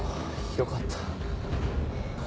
よかった。